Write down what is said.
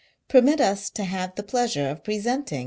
Permit us to have the pleasure of presenting M.